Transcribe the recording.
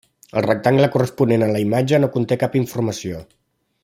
El rectangle corresponent a la imatge no conté cap informació.